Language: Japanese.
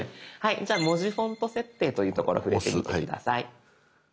じゃあ「文字フォント設定」というところ触れてみて下さい。